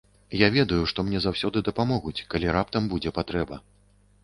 Я ведаю, што мне заўсёды дапамогуць, калі раптам будзе патрэба.